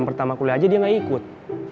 pertama kuliah aja dia nggak ikut